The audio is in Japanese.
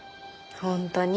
本当に。